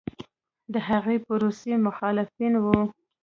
د هغې پروسې مخالفین و